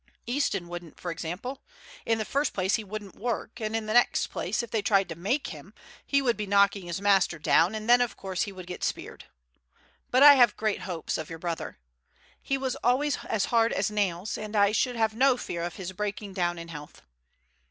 Easton wouldn't, for example. In the first place he wouldn't work, and in the next place, if they tried to make him he would be knocking his master down, and then of course he would get speared. But I have great hopes of your brother; he was always as hard as nails, and I should have no fear of his breaking down in health.